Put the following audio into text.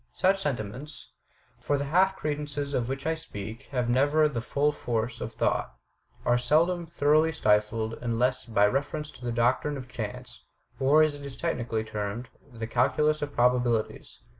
Such sentiments — for the half credences of which I speak have never 3o8 THE TECHNIQUE OF THE MYSTERY STORY the full force of thought — are seldom thoroughly stifled unless by reference to the doctrine of chance, or, as it is technically termed, the Calculus of Probabilities.